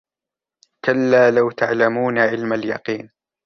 كلا لو تعلمون علم اليقين